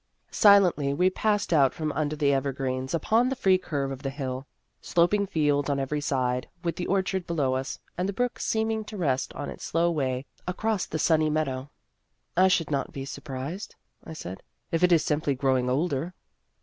Silently we passed out from under the evergreens upon the free curve of the hill. Sloping fields on every side, with the A Superior Young Woman 193 orchard below us, and the brook seeming to rest on its slow way across the sunny meadow. " I should not be surprised," I said, " if it is simply growing older."